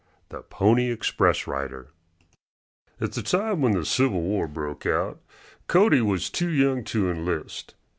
III THE PONY EXPRESS RIDER At the time when the Civil War broke out Cody was too young to enlist.